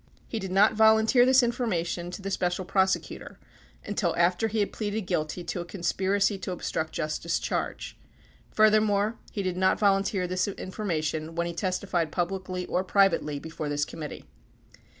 11 He did not volunteer this information to the Special Prosecutor until after he had pleaded guilty to a con spiracy to obstruct justice charge. Furthermore, he did not volunteer this information when he testified publicly or privately before this committee.